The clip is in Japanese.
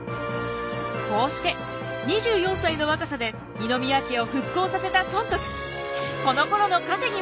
こうして２４歳の若さで二宮家を復興させた尊徳。